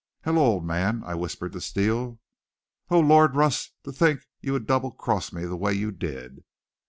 "Hello, old man," I whispered to Steele. "Oh, Lord, Russ, to think you would double cross me the way you did!"